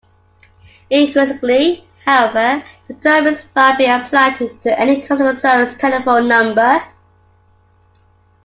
Increasingly, however, the term is found being applied to any customer service telephone number.